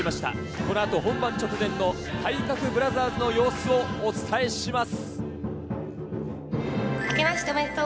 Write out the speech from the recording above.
このあと本番直前の体格ブラザーズの様子をお伝えします。